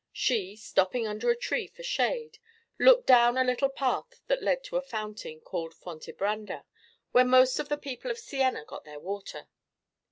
She, stopping under a tree for shade, looked down a little path that led to a fountain called the Fontebranda, where most of the people of Siena got their water.